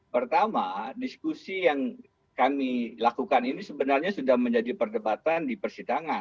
pertama diskusi yang kami lakukan ini sebenarnya sudah menjadi perdebatan di persidangan